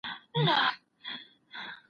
ادم ع ته د توبي لار وښودل سوه.